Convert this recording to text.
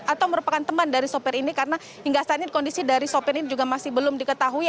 atau merupakan teman dari sopir ini karena hingga saat ini kondisi dari sopir ini juga masih belum diketahui